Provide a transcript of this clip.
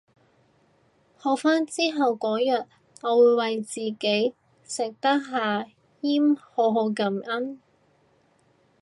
好返之後嗰日我會為自己食得下嚥好好感恩